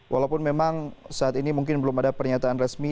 walaupun memang saat ini mungkin belum ada pernyataan resmi